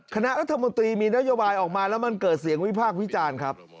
คณะรัฐมนตรีมีนโยบายออกมาแล้วมันเกิดเสียงวิพากษ์วิจารณ์ครับ